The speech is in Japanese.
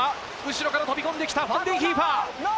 パスは後ろから飛び込んできた、ファンデンヒーファー。